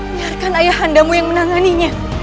biarkan ayah andamu yang menanganinya